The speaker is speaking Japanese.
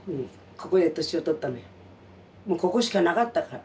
ここしかなかったから。